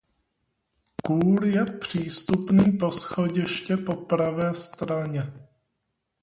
Kůr je přístupný po schodišti po pravé straně.